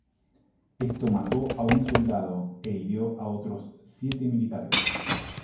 Esto mató a un soldado e hirió a otros siete militares.